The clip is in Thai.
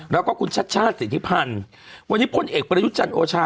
แล้วก็คุณชชาติศิษภัณฑ์วันนี้พลเอกบริยุจันโอชา